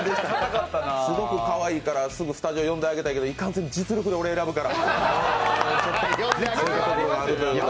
すごくかわいいから、すぐスタジオに呼んであげたいけど、いかんせん俺は実力で選ぶから。